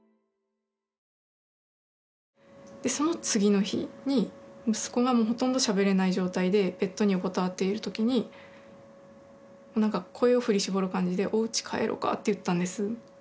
その次の日に息子がほとんどしゃべれない状態でベッドに横たわっているときに声を振り絞る感じで「おうちかえろうか」って言ったんです。